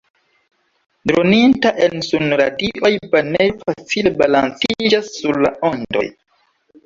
Droninta en sunradioj banejo facile balanciĝas sur la ondoj.